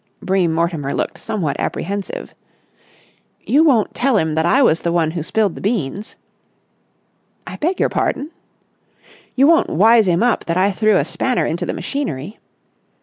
Bream Mortimer looked somewhat apprehensive. "You won't tell him that I was the one who spilled the beans?" "I beg your pardon?" "You won't wise him up that I threw a spanner into the machinery?"